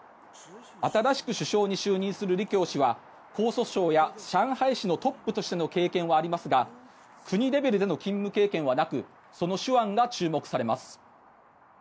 新しく首相に就任する李強氏は江蘇省や上海市のトップとしての経験はありますが国レベルでの勤務経験はなくその手腕が注目されます。